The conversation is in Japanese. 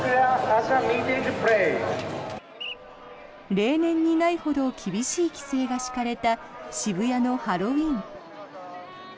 例年にないほど厳しい規制が敷かれた渋谷のハロウィーン。